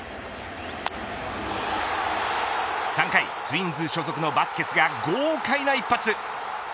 ３回ツインズ所属のバスケスが豪快な一発。